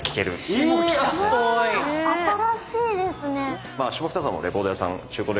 新しいですね。